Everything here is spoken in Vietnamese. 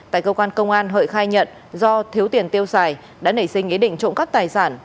tại cơ quan công an hợi khai nhận do thiếu tiền tiêu xài đã nảy sinh ý định trộm cắp tài sản